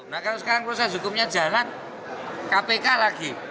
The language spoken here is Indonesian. nah kalau sekarang proses hukumnya jalan kpk lagi